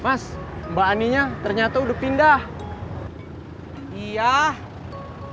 mas mbak aninya ternyata udah pindah iya aduh maaf saya juga baru tahu